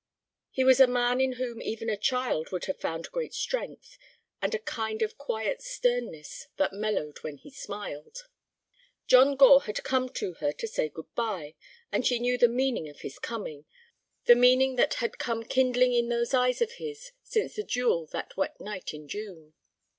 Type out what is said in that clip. He was a man in whom even a child would have found great strength, and a kind of quiet sternness that mellowed when he smiled. John Gore had come to her to say good bye, and she knew the meaning of his coming, the meaning that had come kindling in those eyes of his since the duel that wet night in June.